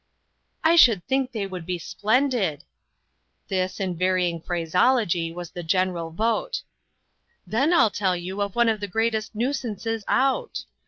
"I should think they would be splendid!" This, in varying phraseology, was the general vote. " Then I'll tell you of one of the greatest nuisances out.